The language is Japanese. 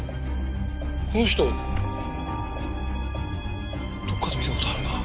この人どこかで見た事あるな。